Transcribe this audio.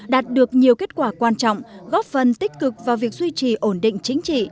đạt được nhiều kết quả quan trọng góp phần tích cực vào việc duy trì ổn định chính trị